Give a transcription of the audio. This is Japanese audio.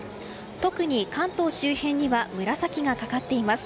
特に関東周辺には紫がかかっています。